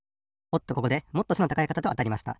おっとここでもっと背の高い方とあたりました。